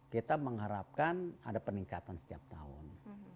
kita mengharapkan ada peningkatan setiap tahun